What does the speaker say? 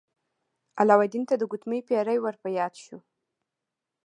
علاوالدین ته د ګوتمۍ پیری ور په یاد شو.